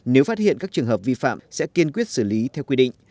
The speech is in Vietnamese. nếu phát hiện các trường hợp vi phạm sẽ kiên quyết xử lý theo quy định